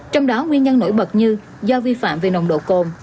trong đó nguyên nhân nổi bật như do vi phạm về nồng độ cồn